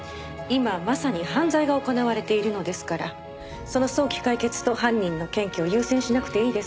今まさに犯罪が行われているのですからその早期解決と犯人の検挙を優先しなくていいですか？